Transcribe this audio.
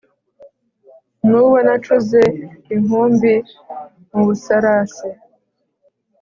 N'uwo nacuze inkumbi mu Busarasi,